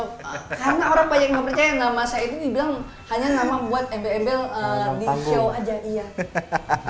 karena orang banyak yang gak percaya nama saya itu dibilang hanya nama buat embel embel di show aja